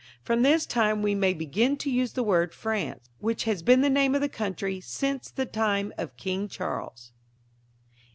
From this time we may begin to use the word France, which has been the name of the country since the time of King Charles.